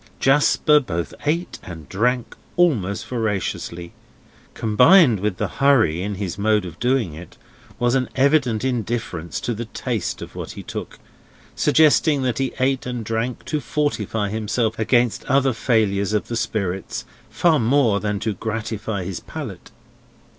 Jasper both ate and drank almost voraciously. Combined with the hurry in his mode of doing it, was an evident indifference to the taste of what he took, suggesting that he ate and drank to fortify himself against any other failure of the spirits, far more than to gratify his palate.